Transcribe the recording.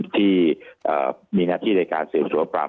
ท่านรองโฆษกครับ